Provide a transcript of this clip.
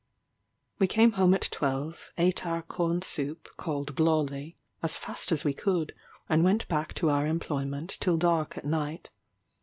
We came home at twelve; ate our corn soup, called blawly, as fast as we could, and went back to our employment till dark at night.